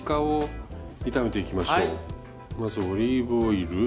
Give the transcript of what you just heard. まずオリーブオイル。